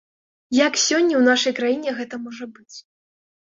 Як сёння ў нашай краіне гэта можа быць?